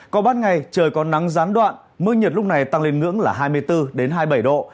có bát ngày trời có nắng rán đoạn mưa nhiệt lúc này tăng lên ngưỡng là hai mươi bốn đến hai mươi bảy độ